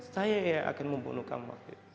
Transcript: saya akan membunuh kamu